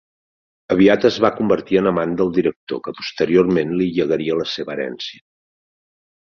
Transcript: Aviat es va convertir en amant del director, que posteriorment li llegaria la seva herència.